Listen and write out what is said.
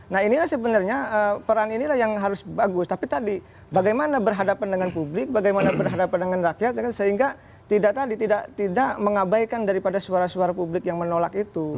nah inilah sebenarnya peran inilah yang harus bagus tapi tadi bagaimana berhadapan dengan publik bagaimana berhadapan dengan rakyat sehingga tidak mengabaikan daripada suara suara publik yang menolak itu